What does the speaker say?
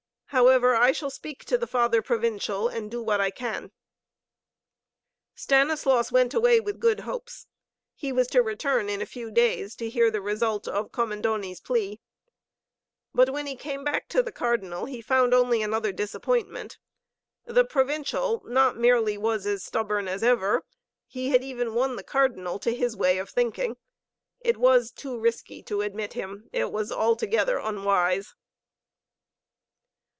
However, I shall speak to the Father Provincial, and do what I can." Stanislaus went away with good hopes. He was to return in a few days to hear the result of Commendoni's plea. But when he came back to the Cardinal, he found only another disappointment. The Provincial not merely was as stubborn as ever, he had even won the Cardinal to his way of thinking. It was too risky to admit him, it was altogether unwise.